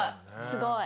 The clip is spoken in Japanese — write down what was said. すごい。